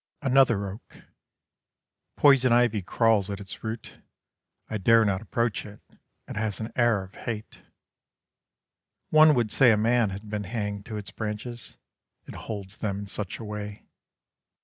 ANOTHER OAK Poison ivy crawls at its root, I dare not approach it, It has an air of hate. One would say a man had been hanged to its branches, It holds them in such a way.